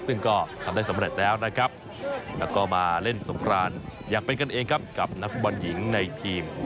ซึ่งก็ทำได้สำเร็จแล้วนะครับแล้วก็มาเล่นสงครานอย่างเป็นกันเองครับกับนักฟุตบอลหญิงในทีม